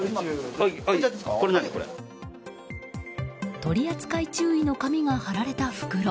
取り扱い注意の紙が貼られた袋。